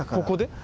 ここで？